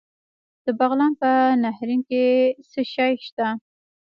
د بغلان په نهرین کې څه شی شته؟